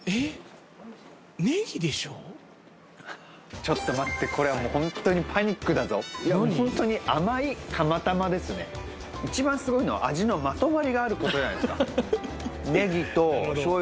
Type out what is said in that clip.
ちょっと待ってこれはホントにパニックだぞホントに甘い釜玉ですね一番すごいのは味のまとまりがあることじゃないですか